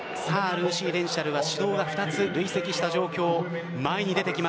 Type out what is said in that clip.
ルーシー・レンシャルは指導が２つ累積した状況。